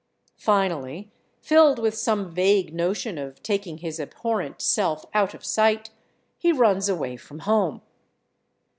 Finally, filled with some vague notion of taking his abhorrent self out of sight, he runs away from home.